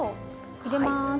入れます。